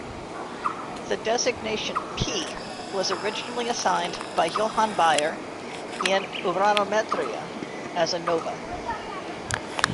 The designation "P" was originally assigned by Johann Bayer in "Uranometria" as a nova.